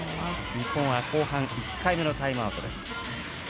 日本は後半１回目のタイムアウトです。